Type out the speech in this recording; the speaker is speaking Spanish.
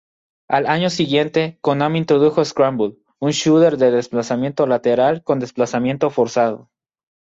Al año siguiente, Konami introdujo "Scramble", un "shooter" de desplazamiento lateral con desplazamiento forzado.